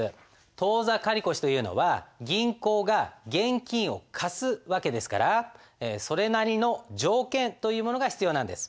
当座借越というのは銀行が現金を貸す訳ですからそれなりの条件というものが必要なんです。